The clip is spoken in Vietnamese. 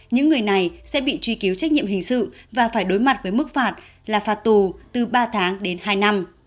những người này sẽ bị truy cứu trách nhiệm hình sự và phải đối mặt với mức phạt là phạt tù từ ba tháng đến hai năm